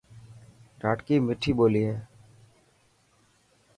ڌاٽڪي مٺي ٻولي هي.